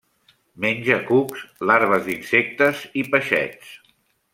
Menja cucs, larves d'insectes i peixets.